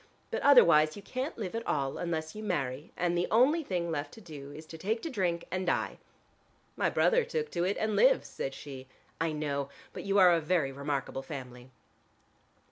But otherwise you can't live at all unless you marry and the only thing left to do is to take to drink and die." "My brother took to it and lives," said she. "I know, but you are a very remarkable family."